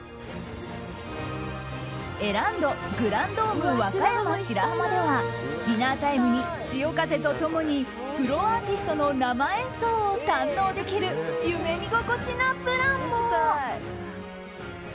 エランドグランドーム和歌山白浜ではディナータイムに潮風と共にプロアーティストの生演奏を堪能できる夢見心地なプランも。